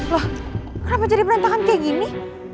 loh kenapa jadi perintahan kayak gini